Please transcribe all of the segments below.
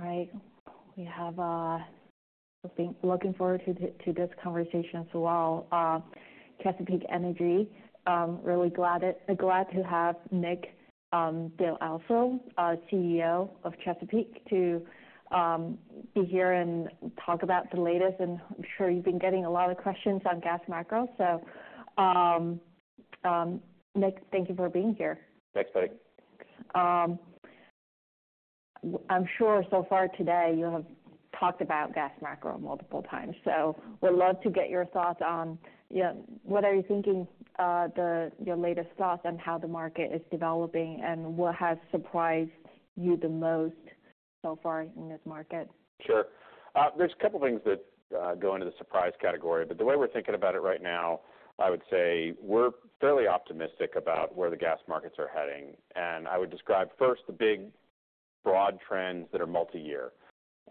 All right. Looking forward to this conversation as well. Chesapeake Energy, really glad to have Nick Dell'Osso, our CEO of Chesapeake, to be here and talk about the latest, and I'm sure you've been getting a lot of questions on gas macro. So, Nick, thank you for being here. Thanks, Betty. I'm sure so far today you have talked about gas macro multiple times, so would love to get your thoughts on, you know, what are you thinking, your latest thoughts on how the market is developing and what has surprised you the most so far in this market? Sure. There's a couple things that go into the surprise category, but the way we're thinking about it right now, I would say we're fairly optimistic about where the gas markets are heading. And I would describe first, the big, broad trends that are multi-year.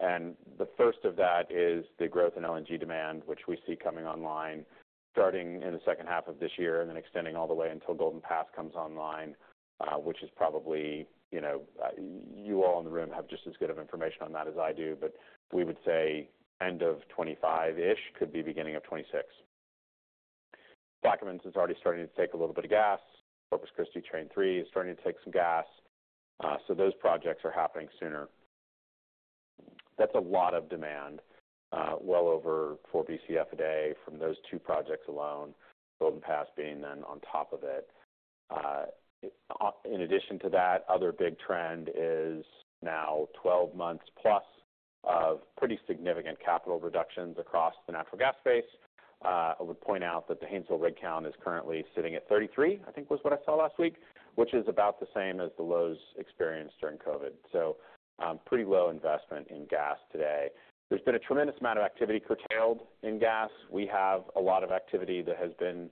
And the first of that is the growth in LNG demand, which we see coming online, starting in the second half of this year and then extending all the way until Golden Pass comes online, which is probably, you know, you all in the room have just as good of information on that as I do. But we would say end of 2025-ish, could be beginning of 2026. Plaquemines is already starting to take a little bit of gas. Corpus Christi, Train 3 is starting to take some gas. So those projects are happening sooner. That's a lot of demand, well over 4 Bcf a day from those two projects alone, Golden Pass being then on top of it. In addition to that, other big trend is now 12 months plus of pretty significant capital reductions across the natural gas space. I would point out that the Haynesville rig count is currently sitting at 33, I think was what I saw last week, which is about the same as the lows experienced during COVID. Pretty low investment in gas today. There's been a tremendous amount of activity curtailed in gas. We have a lot of activity that has been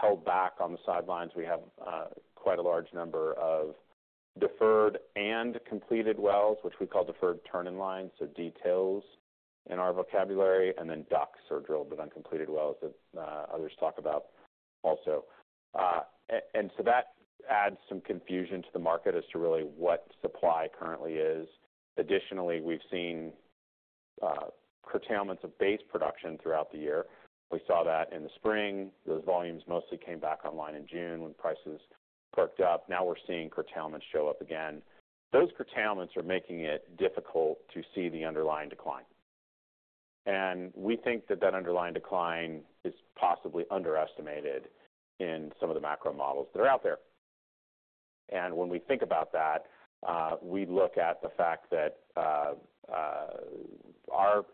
held back on the sidelines. We have quite a large number of deferred and completed wells, which we call deferred turn-in-line, so D-TILs in our vocabulary, and then DUCs or drilled but uncompleted wells that others talk about also. So that adds some confusion to the market as to really what supply currently is. Additionally, we've seen curtailments of base production throughout the year. We saw that in the spring. Those volumes mostly came back online in June when prices perked up. Now we're seeing curtailments show up again. Those curtailments are making it difficult to see the underlying decline. We think that that underlying decline is possibly underestimated in some of the macro models that are out there. And when we think about that, we look at the fact that our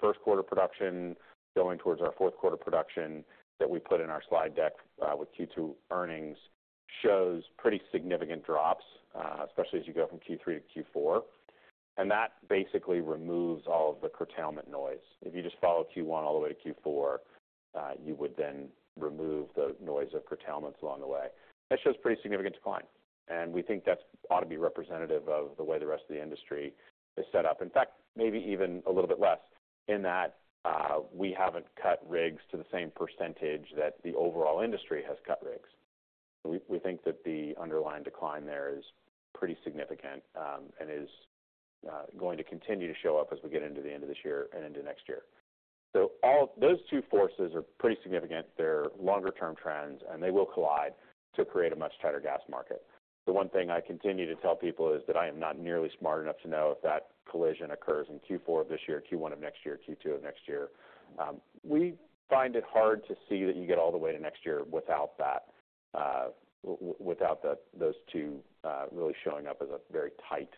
first quarter production going towards our fourth quarter production that we put in our slide deck with Q2 earnings shows pretty significant drops, especially as you go from Q3 to Q4. And that basically removes all of the curtailment noise. If you just follow Q1 all the way to Q4, you would then remove the noise of curtailments along the way. That shows pretty significant decline, and we think that ought to be representative of the way the rest of the industry is set up. In fact, maybe even a little bit less in that we haven't cut rigs to the same percentage that the overall industry has cut rigs. We, we think that the underlying decline there is pretty significant, and is going to continue to show up as we get into the end of this year and into next year. So all those two forces are pretty significant. They're longer term trends, and they will collide to create a much tighter gas market. The one thing I continue to tell people is that I am not nearly smart enough to know if that collision occurs in Q4 of this year, Q1 of next year, Q2 of next year. We find it hard to see that you get all the way to next year without that, without those two really showing up as a very tight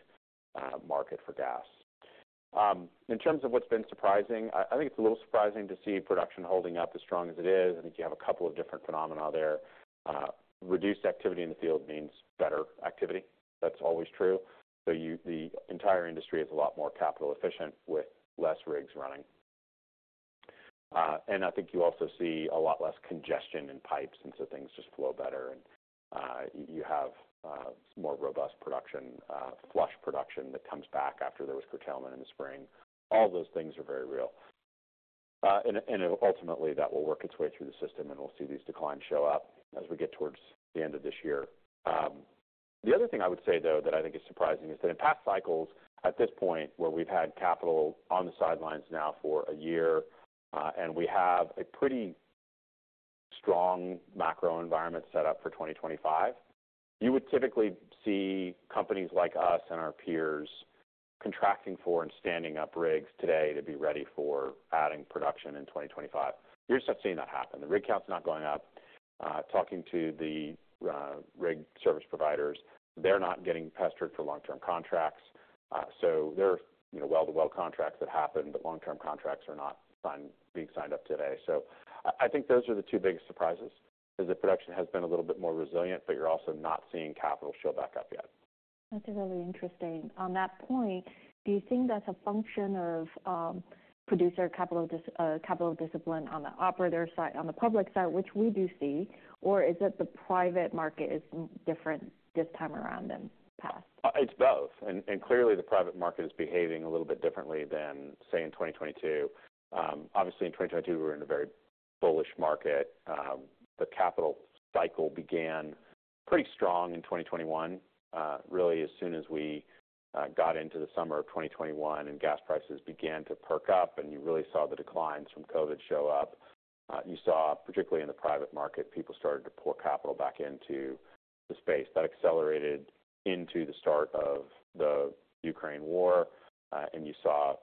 market for gas. In terms of what's been surprising, I think it's a little surprising to see production holding up as strong as it is. I think you have a couple of different phenomena there. Reduced activity in the field means better activity. That's always true. So the entire industry is a lot more capital efficient with less rigs running. And I think you also see a lot less congestion in pipes, and so things just flow better. And you have more robust production, flush production that comes back after there was curtailment in the spring. All those things are very real. And ultimately that will work its way through the system, and we'll see these declines show up as we get towards the end of this year. The other thing I would say, though, that I think is surprising, is that in past cycles, at this point, where we've had capital on the sidelines now for a year, and we have a pretty strong macro environment set up for 2025, you would typically see companies like us and our peers contracting for and standing up rigs today to be ready for adding production in 2025. We're just not seeing that happen. The rig count is not going up. Talking to the rig service providers, they're not getting pestered for long-term contracts. So there are, you know, well-to-well contracts that happen, but long-term contracts are not being signed up today. So I think those are the two biggest surprises, is that production has been a little bit more resilient, but you're also not seeing capital show back up yet. That's really interesting. On that point, do you think that's a function of producer capital discipline on the operator side, on the public side, which we do see? Or is it the private market is different this time around than the past? It's both, and clearly, the private market is behaving a little bit differently than, say, in 2022. Obviously, in 2022, we were in a very bullish market. The capital cycle began pretty strong in 2021. Really, as soon as we got into the summer of 2021 and gas prices began to perk up and you really saw the declines from COVID show up, you saw, particularly in the private market, people started to pour capital back into the space. That accelerated into the start of the Ukraine war, and you saw,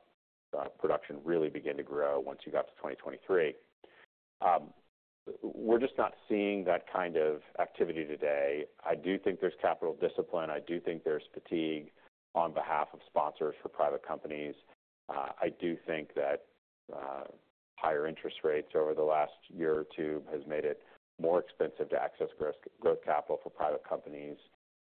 production really begin to grow once you got to 2023. We're just not seeing that kind of activity today. I do think there's capital discipline. I do think there's fatigue on behalf of sponsors for private companies. I do think that higher interest rates over the last year or two has made it more expensive to access growth capital for private companies.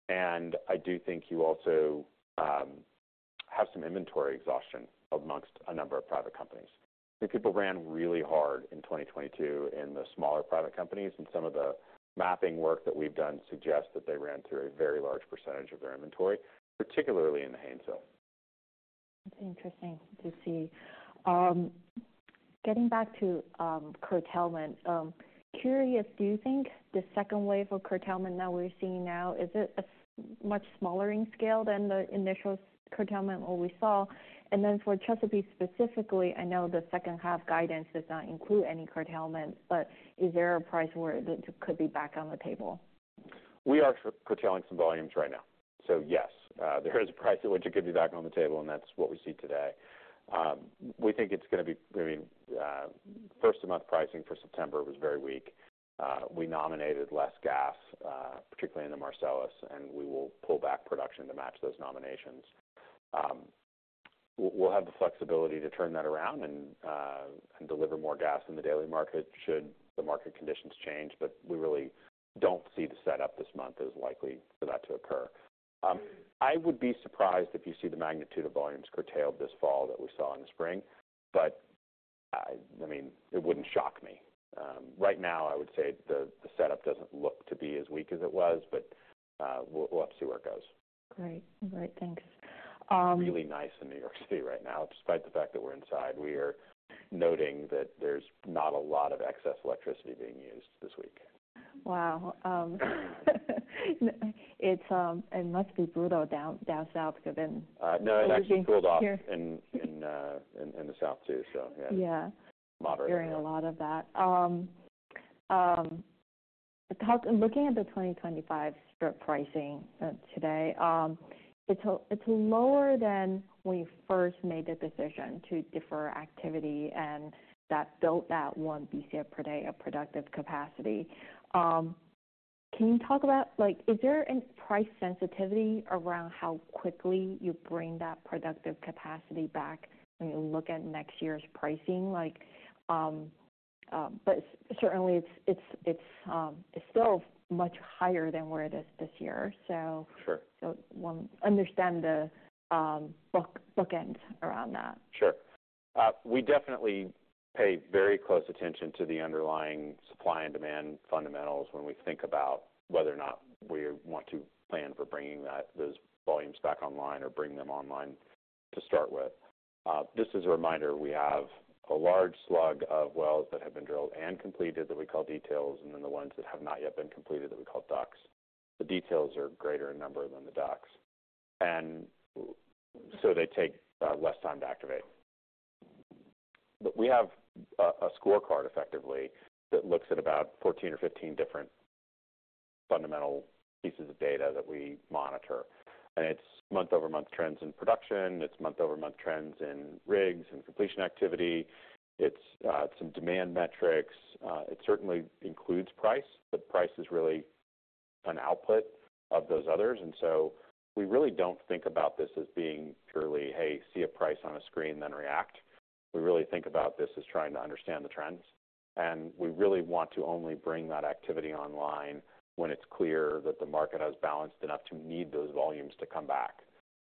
And I do think you also have some inventory exhaustion amongst a number of private companies. I think people ran really hard in 2022 in the smaller private companies, and some of the mapping work that we've done suggests that they ran through a very large percentage of their inventory, particularly in the Haynesville. It's interesting to see. Getting back to curtailment. Curious, do you think the second wave of curtailment that we're seeing now is it a much smaller in scale than the initial curtailment, what we saw? And then for Chesapeake, specifically, I know the second half guidance does not include any curtailment, but is there a price where it could be back on the table? We are curtailing some volumes right now, so yes, there is a price at which it could be back on the table, and that's what we see today. We think it's gonna be, I mean, first-of-month pricing for September was very weak. We nominated less gas, particularly in the Marcellus, and we will pull back production to match those nominations. We'll have the flexibility to turn that around and deliver more gas in the daily market should the market conditions change, but we really don't see the setup this month as likely for that to occur. I would be surprised if you see the magnitude of volumes curtailed this fall that we saw in the spring, but, I mean, it wouldn't shock me. Right now, I would say the setup doesn't look to be as weak as it was, but we'll have to see where it goes. Great. All right, thanks, Really nice in New York City right now. Despite the fact that we're inside, we are noting that there's not a lot of excess electricity being used this week. Wow, it's... It must be brutal down South because then- No, it actually cooled off- -here... in the South, too. So, yeah. Yeah. Moderate. Hearing a lot of that. Looking at the 2025 strip pricing today, it's lower than when you first made the decision to defer activity and that built that one Bcf per day of productive capacity. Can you talk about, like, is there a price sensitivity around how quickly you bring that productive capacity back when you look at next year's pricing? Like, but certainly, it's still much higher than where it is this year, so- Sure. So want understand the bookends around that. Sure. We definitely pay very close attention to the underlying supply and demand fundamentals when we think about whether or not we want to plan for bringing those volumes back online or bring them online to start with. Just as a reminder, we have a large slug of wells that have been drilled and completed that we call D-TILs, and then the ones that have not yet been completed, that we call DUCs. The D-TILs are greater in number than the DUCs, and so they take less time to activate, but we have a scorecard effectively, that looks at about 14 or 15 different fundamental pieces of data that we monitor, and it's month-over-month trends in production. It's month-over-month trends in rigs and completion activity. It's some demand metrics. It certainly includes price, but price is really an output of those others. And so we really don't think about this as being purely, "Hey, see a price on a screen, then react." We really think about this as trying to understand the trends, and we really want to only bring that activity online when it's clear that the market has balanced enough to need those volumes to come back.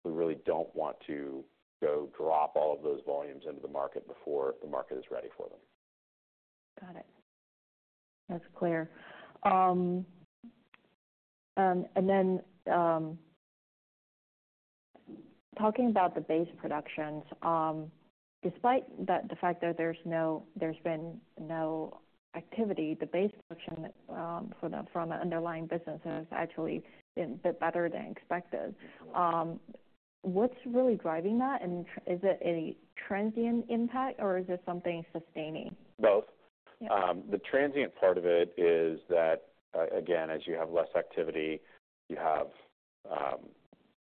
We really don't want to go drop all of those volumes into the market before the market is ready for them. Got it. That's clear. Then, talking about the base production, despite the fact that there's been no activity, the base production from the underlying business is actually a bit better than expected. What's really driving that, and is it a transient impact, or is this something sustaining? Both. Yeah. The transient part of it is that, again, as you have less activity, you have,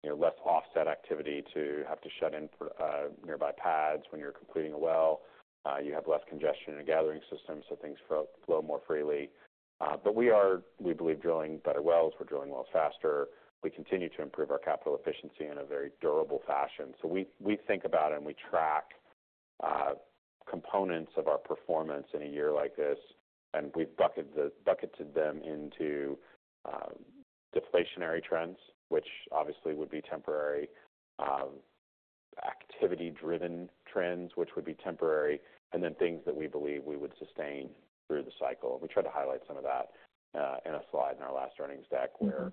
you know, less offset activity to have to shut in nearby pads when you're completing a well. You have less congestion in the gathering system, so things flow more freely, but we are, we believe, drilling better wells. We're drilling wells faster. We continue to improve our capital efficiency in a very durable fashion, so we think about, and we track, components of our performance in a year like this, and we've bucketed them into deflationary trends, which obviously would be temporary, activity-driven trends, which would be temporary, and then things that we believe we would sustain through the cycle. We tried to highlight some of that in a slide in our last earnings deck-... where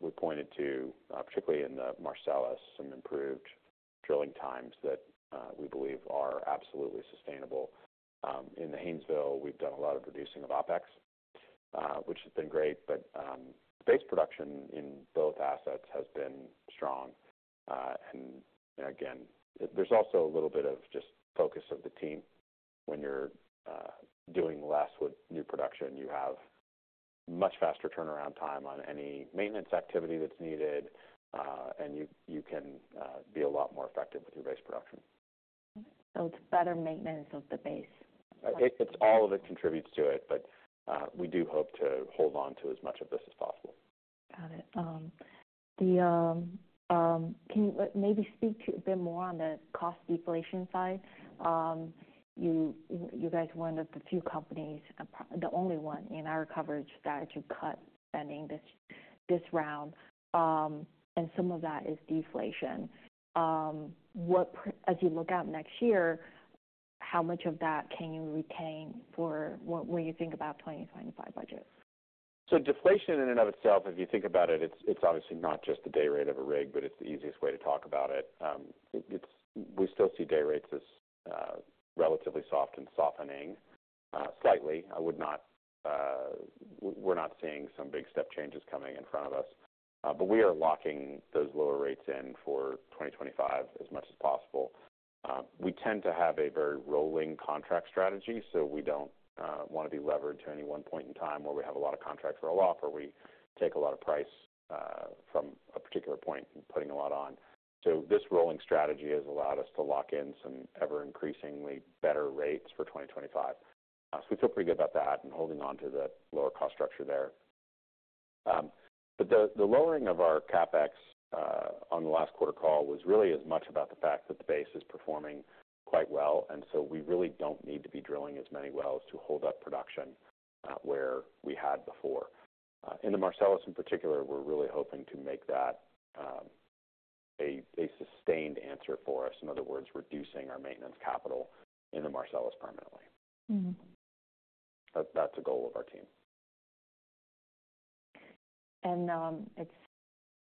we pointed to, particularly in the Marcellus, some improved drilling times that we believe are absolutely sustainable. In the Haynesville, we've done a lot of reducing of OpEx, which has been great, but the base production in both assets has been strong. And again, there's also a little bit of just focus of the team. When you're doing less with new production, you have much faster turnaround time on any maintenance activity that's needed, and you can be a lot more effective with your base production. So it's better maintenance of the base? I think it's all of it contributes to it, but we do hope to hold on to as much of this as possible. Got it. Can you maybe speak a bit more on the cost deflation side? You guys are one of the few companies, the only one in our coverage, that actually cut spending this round, and some of that is deflation. As you look out next year, how much of that can you retain for when you think about 2025 budget? So deflation in and of itself, if you think about it, it's, it's obviously not just the day rate of a rig, but it's the easiest way to talk about it. It's we still see day rates as relatively soft and softening slightly. I would not... We're not seeing some big step changes coming in front of us, but we are locking those lower rates in for 2025 as much as possible. We tend to have a very rolling contract strategy, so we don't want to be levered to any one point in time where we have a lot of contracts roll off, or we take a lot of price from a particular point and putting a lot on. So this rolling strategy has allowed us to lock in some ever increasingly better rates for 2025. So we feel pretty good about that and holding on to the lower cost structure there. But the lowering of our CapEx on the last quarter call was really as much about the fact that the base is performing quite well, and so we really don't need to be drilling as many wells to hold up production where we had before. In the Marcellus, in particular, we're really hoping to make that a sustained answer for us. In other words, reducing our maintenance capital in the Marcellus permanently. That's a goal of our team.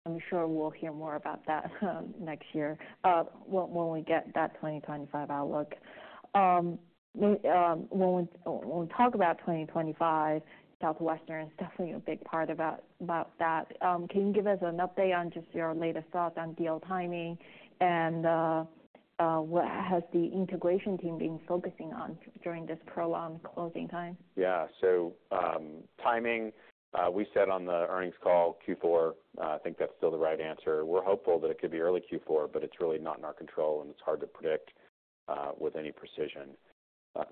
I'm sure we'll hear more about that next year, when we get that 2025 outlook. When we talk about 2025, Southwestern is definitely a big part about that. Can you give us an update on just your latest thoughts on deal timing, and what has the integration team been focusing on during this prolonged closing time? Yeah. So, timing, we said on the earnings call Q4, I think that's still the right answer. We're hopeful that it could be early Q4, but it's really not in our control, and it's hard to predict with any precision.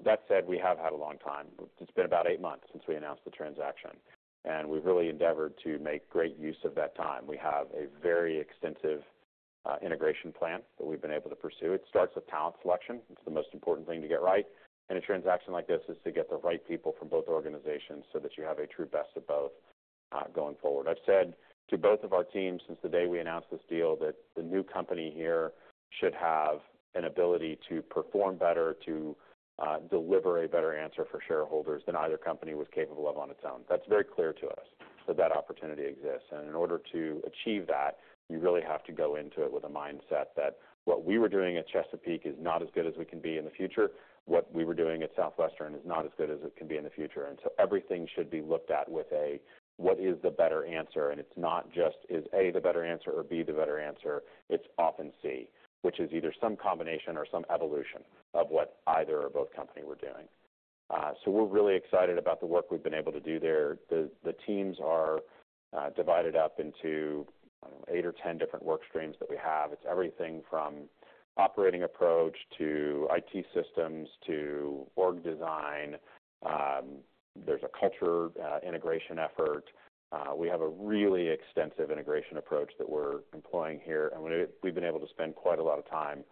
That said, we have had a long time. It's been about eight months since we announced the transaction, and we've really endeavored to make great use of that time. We have a very extensive integration plan that we've been able to pursue. It starts with talent selection. It's the most important thing to get right. In a transaction like this, is to get the right people from both organizations so that you have a true best of both, going forward. I've said to both of our teams since the day we announced this deal, that the new company here should have an ability to perform better, to, deliver a better answer for shareholders than either company was capable of on its own. That's very clear to us, that that opportunity exists, and in order to achieve that, you really have to go into it with a mindset that what we were doing at Chesapeake is not as good as we can be in the future. What we were doing at Southwestern is not as good as it can be in the future, and so everything should be looked at with a, "What is the better answer?" And it's not just is A, the better answer, or B, the better answer. It's often C, which is either some combination or some evolution of what either or both company were doing. So we're really excited about the work we've been able to do there. The teams are divided up into eight or 10 different work streams that we have. It's everything from operating approach, to IT systems, to org design. There's a culture integration effort. We have a really extensive integration approach that we're employing here, and we've been able to spend quite a lot of time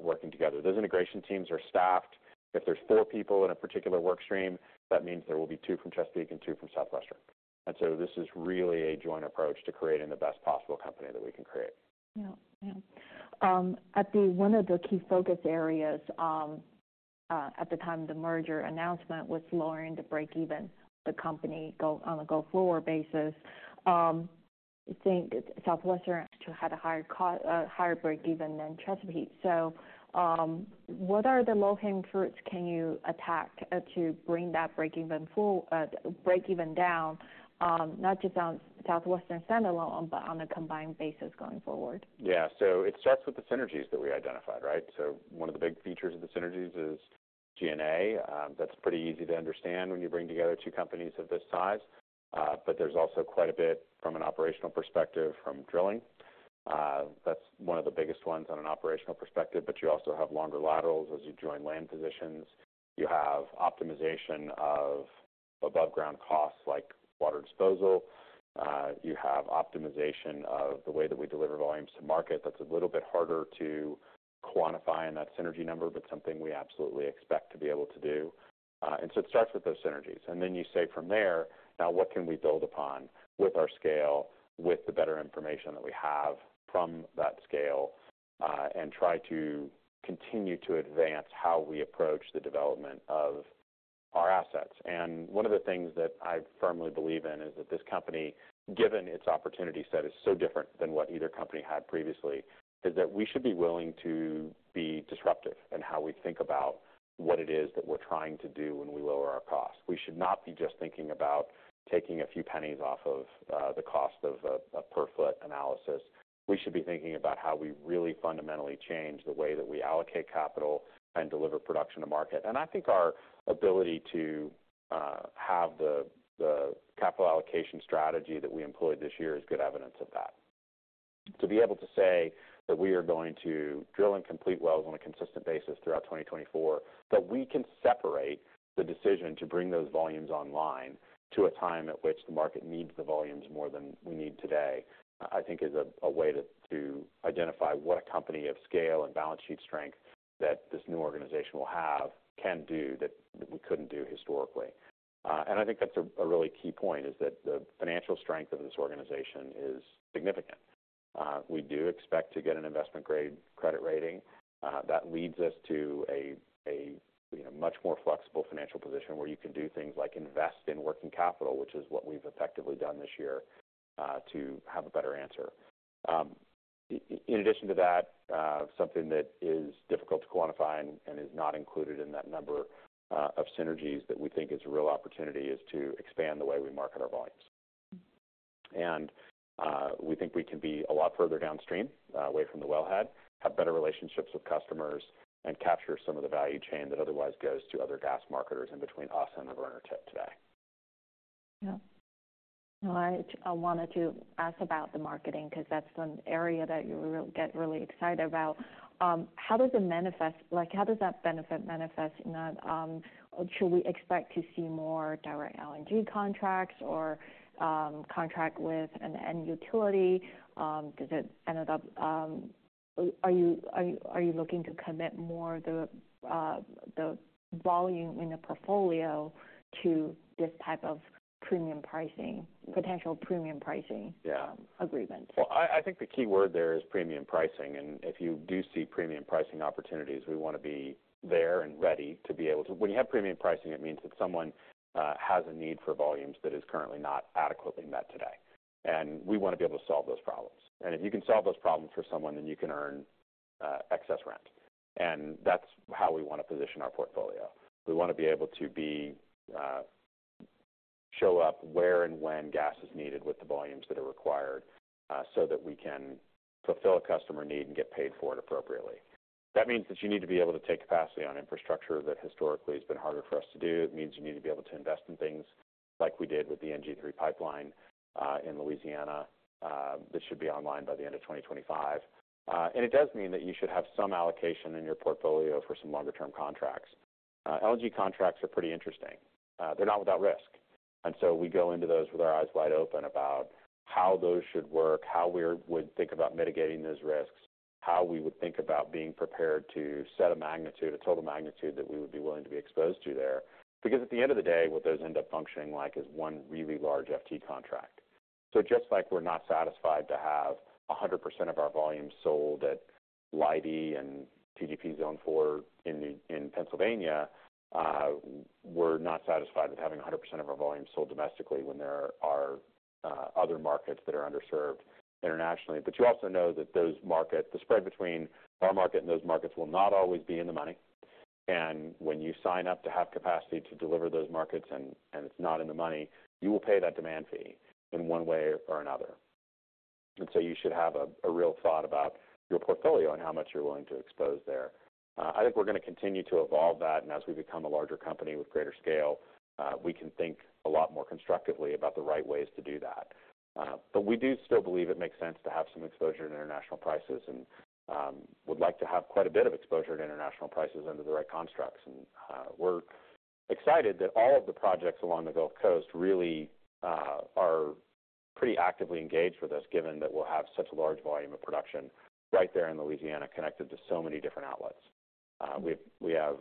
working together. Those integration teams are staffed. If there's four people in a particular work stream, that means there will be two from Chesapeake and two from Southwestern. And so this is really a joint approach to creating the best possible company that we can create. One of the key focus areas at the time of the merger announcement was lowering the breakeven on a go-forward basis. I think Southwestern actually had a higher breakeven than Chesapeake. So, what are the low-hanging fruits can you attack to bring that breakeven down? Not just on Southwestern stand alone, but on a combined basis going forward. Yeah. So it starts with the synergies that we identified, right? So one of the big features of the synergies is G&A. That's pretty easy to understand when you bring together two companies of this size. But there's also quite a bit from an operational perspective, from drilling. That's one of the biggest ones from an operational perspective, but you also have longer laterals as you join land positions. You have optimization of aboveground costs, like water disposal. You have optimization of the way that we deliver volumes to market. That's a little bit harder to quantify in that synergy number, but something we absolutely expect to be able to do. And so it starts with those synergies. And then you say from there, now, what can we build upon with our scale, with the better information that we have from that scale, and try to continue to advance how we approach the development of our assets. And one of the things that I firmly believe in is that this company, given its opportunity set, is so different than what either company had previously, is that we should be willing to be disruptive in how we think about what it is that we're trying to do when we lower our costs. We should not be just thinking about taking a few pennies off of the cost of a per foot analysis. We should be thinking about how we really fundamentally change the way that we allocate capital and deliver production to market. And I think our ability to have the capital allocation strategy that we employed this year is good evidence of that. To be able to say that we are going to drill and complete wells on a consistent basis throughout 2024, that we can separate the decision to bring those volumes online to a time at which the market needs the volumes more than we need today, I think is a way to identify what a company of scale and balance sheet strength that this new organization will have, can do, that we couldn't do historically. And I think that's a really key point, is that the financial strength of this organization is significant. We do expect to get an investment-grade credit rating that leads us to a, you know, much more flexible financial position, where you can do things like invest in working capital, which is what we've effectively done this year to have a better answer. In addition to that, something that is difficult to quantify and is not included in that number of synergies that we think is a real opportunity is to expand the way we market our volumes. And we think we can be a lot further downstream away from the wellhead, have better relationships with customers, and capture some of the value chain that otherwise goes to other gas marketers in between us and the burner tip today. Yeah. I wanted to ask about the marketing, 'cause that's an area that you really get really excited about. How does it manifest? Like, how does that benefit manifest in a, should we expect to see more direct LNG contracts or, contract with an end utility? Does it ended up... Are you looking to commit more of the volume in the portfolio to this type of premium pricing- potential premium pricing- Yeah - agreement? I think the key word there is premium pricing, and if you do see premium pricing opportunities, we want to be there and ready to be able to... When you have premium pricing, it means that someone has a need for volumes that is currently not adequately met today, and we want to be able to solve those problems. And if you can solve those problems for someone, then you can earn excess rent. And that's how we want to position our portfolio. We want to be able to show up where and when gas is needed, with the volumes that are required, so that we can fulfill a customer need and get paid for it appropriately. That means that you need to be able to take capacity on infrastructure that historically has been harder for us to do. It means you need to be able to invest in things like we did with the NG3 pipeline in Louisiana that should be online by the end of 2025. It does mean that you should have some allocation in your portfolio for some longer-term contracts. LNG contracts are pretty interesting. They're not without risk, and so we go into those with our eyes wide open about how those should work, how we'd think about mitigating those risks, how we would think about being prepared to set a magnitude, a total magnitude, that we would be willing to be exposed to there. Because at the end of the day, what those end up functioning like is one really large FT contract. So just like we're not satisfied to have 100% of our volumes sold at Leidy and TGP Zone 4 in Pennsylvania, we're not satisfied with having 100% of our volume sold domestically when there are other markets that are underserved internationally. But you also know that those markets, the spread between our market and those markets, will not always be in the money. And when you sign up to have capacity to deliver those markets and it's not in the money, you will pay that demand fee in one way or another. And so you should have a real thought about your portfolio and how much you're willing to expose there. I think we're going to continue to evolve that, and as we become a larger company with greater scale, we can think a lot more constructively about the right ways to do that, but we do still believe it makes sense to have some exposure to international prices and would like to have quite a bit of exposure to international prices under the right constructs, and we're excited that all of the projects along the Gulf Coast really are pretty actively engaged with us, given that we'll have such a large volume of production right there in Louisiana, connected to so many different outlets. We have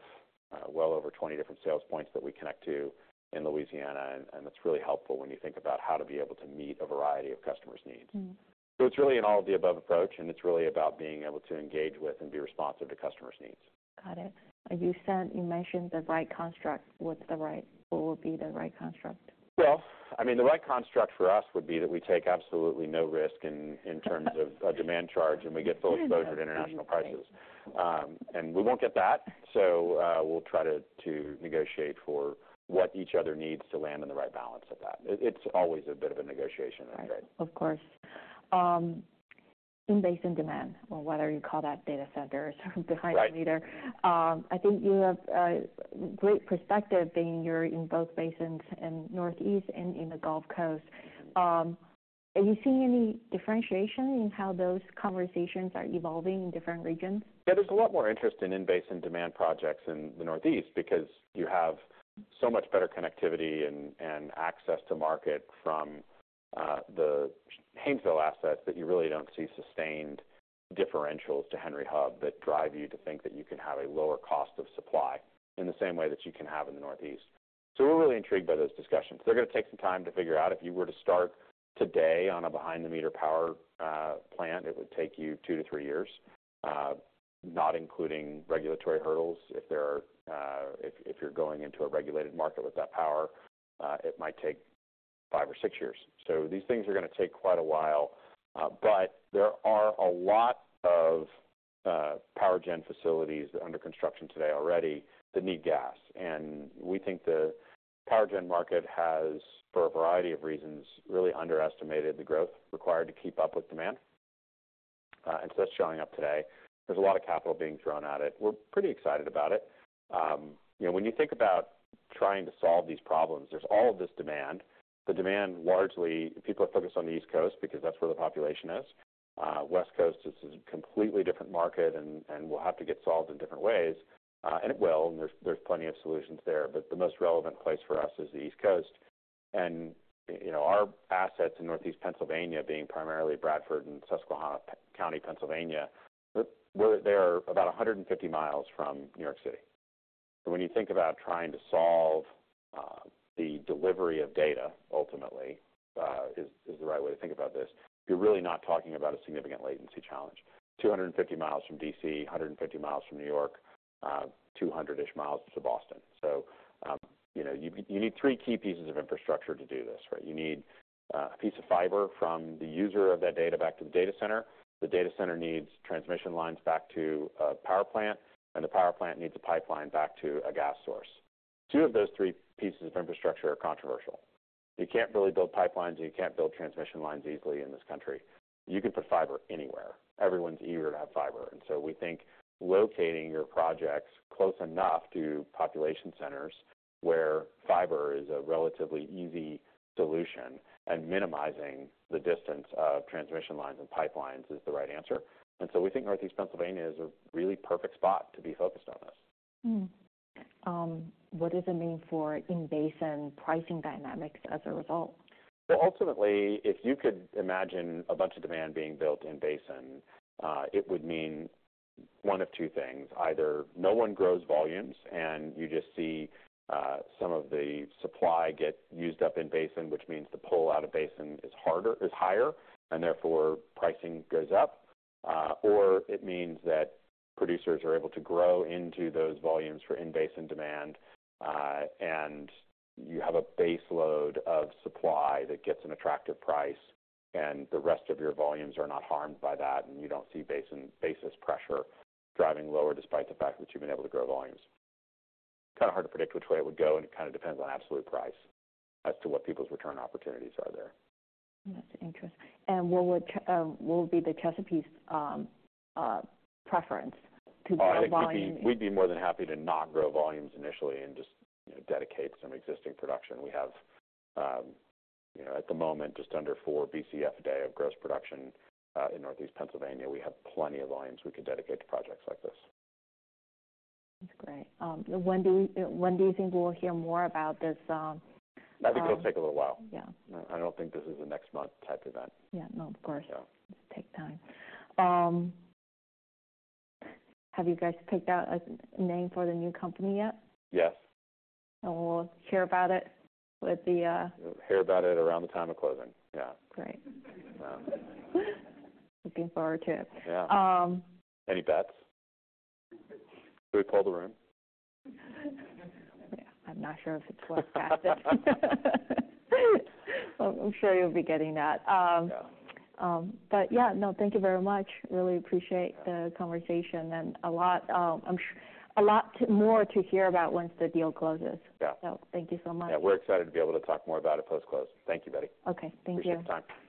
well over 20 different sales points that we connect to in Louisiana, and that's really helpful when you think about how to be able to meet a variety of customers' needs. So it's really an all-of-the-above approach, and it's really about being able to engage with and be responsive to customers' needs. Got it. You said you mentioned the right construct. What would be the right construct? I mean, the right construct for us would be that we take absolutely no risk in terms of a demand charge, and we get full exposure to international prices. We won't get that, so we'll try to negotiate for what each other needs to land on the right balance of that. It's always a bit of a negotiation. Of course. In-basin demand, or whether you call that data center or behind-the-meter- Right. I think you have a great perspective, being you're in both basins in Northeast and in the Gulf Coast. Are you seeing any differentiation in how those conversations are evolving in different regions? Yeah, there's a lot more interest in in-basin demand projects in the Northeast because you have so much better connectivity and access to market from the Haynesville assets that you really don't see sustained differentials to Henry Hub that drive you to think that you can have a lower cost of supply in the same way that you can have in the Northeast. So we're really intrigued by those discussions. They're going to take some time to figure out. If you were to start today on a behind-the-meter power plant, it would take you two to three years, not including regulatory hurdles. If there are, if you're going into a regulated market with that power, it might take five or six years. So these things are going to take quite a while, but there are a lot of power gen facilities under construction today already that need gas. And we think the power gen market has, for a variety of reasons, really underestimated the growth required to keep up with demand. And so that's showing up today. There's a lot of capital being thrown at it. We're pretty excited about it. You know, when you think about trying to solve these problems, there's all of this demand. The demand, largely, people are focused on the East Coast because that's where the population is. West Coast is a completely different market and will have to get solved in different ways, and it will, and there's plenty of solutions there. But the most relevant place for us is the East Coast. You know, our assets in Northeast Pennsylvania being primarily Bradford County and Susquehanna County, Pennsylvania, they're about a hundred and fifty miles from New York City. So when you think about trying to solve the delivery of data, ultimately is the right way to think about this, you're really not talking about a significant latency challenge. Two hundred and fifty miles from DC, a hundred and fifty miles from New York, two hundred-ish miles to Boston. So, you know, you need three key pieces of infrastructure to do this, right? You need a piece of fiber from the user of that data back to the data center. The data center needs transmission lines back to a power plant, and the power plant needs a pipeline back to a gas source. Two of those three pieces of infrastructure are controversial. You can't really build pipelines, and you can't build transmission lines easily in this country. You can put fiber anywhere. Everyone's eager to have fiber, and so we think locating your projects close enough to population centers where fiber is a relatively easy solution and minimizing the distance of transmission lines and pipelines is the right answer, and so we think Northeast Pennsylvania is a really perfect spot to be focused on this. What does it mean for in-basin pricing dynamics as a result? Ultimately, if you could imagine a bunch of demand being built in-basin, it would mean one of two things. Either no one grows volumes, and you just see some of the supply get used up in-basin, which means the pull out of basin is higher, and therefore, pricing goes up. Or it means that producers are able to grow into those volumes for in-basin demand, and you have a base load of supply that gets an attractive price, and the rest of your volumes are not harmed by that, and you don't see basin basis pressure driving lower, despite the fact that you've been able to grow volumes. It's kind of hard to predict which way it would go, and it kind of depends on absolute price as to what people's return opportunities are there. That's interesting. And what would be the Chesapeake's preference to grow volume? We'd be more than happy to not grow volumes initially and just, you know, dedicate some existing production. We have, you know, at the moment, just under 4 Bcf a day of gross production in Northeast Pennsylvania. We have plenty of volumes we could dedicate to projects like this. That's great. When do you think we'll hear more about this? I think it'll take a little while. Yeah. I don't think this is a next month type event. Yeah, no, of course. Yeah. It takes time. Have you guys picked out a name for the new company yet? Yes. And we'll hear about it with the Hear about it around the time of closing. Yeah. Great. Looking forward to it. Yeah. Any bets? Should we poll the room? Yeah, I'm not sure if it's worth that. I'm sure you'll be getting that. Yeah. Yeah, no, thank you very much. Really appreciate the conversation. I'm sure a lot more to hear about once the deal closes. Yeah. Thank you so much. Yeah, we're excited to be able to talk more about it post-close. Thank you, Betty. Okay. Thank you. Appreciate the time.